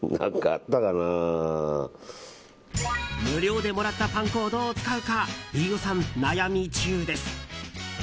無料でもらったパン粉をどう使うか飯尾さん、悩み中です。